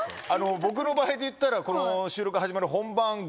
僕の場合で言ったらこの収録始まる。